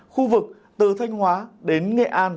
khu vực từ thanh hóa đến nghệ an